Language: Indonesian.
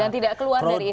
dan tidak keluar dari itu